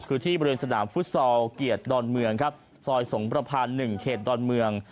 คือที่บริเวณสนามฟุตซอลเกียรติดอนเมืองครับซอยสงประพาน๑เขตดอนเมือง